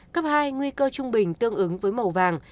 cấp hai nguy cơ trung bình tương ứng với màu vàng